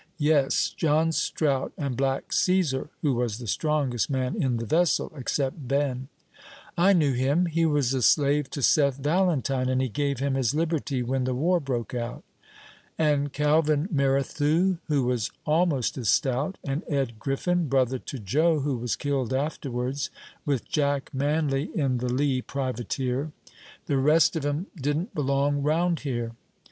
"Yes; John Strout, and black Cæsar, who was the strongest man in the vessel, except Ben." "I knew him; he was a slave to Seth Valentine, and he gave him his liberty when the war broke out." "And Calvin Merrithew, who was almost as stout; and Ed Griffin, brother to Joe, who was killed afterwards, with Jack Manley, in the Lee privateer. The rest of 'em didn't belong round here."